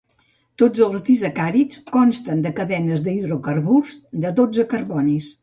Tots els disacàrids consten de cadenes d'hidrocarburs de dotze carbonis.